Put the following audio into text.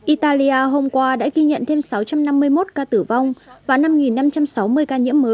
italia hôm qua đã ghi nhận thêm sáu trăm năm mươi một ca tử vong và năm năm trăm sáu mươi ca nhiễm mới